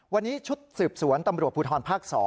วันนี้ชุดสืบสวนตำรวจภูทรภาค๒